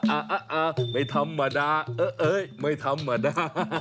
อ่ะไม่ธรรมดาเอ้ยไม่ธรรมดา